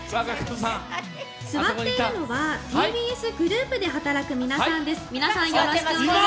座っているのはＴＢＳグループで働く皆さんです。